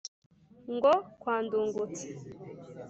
Ngo: Kwa Ndungutse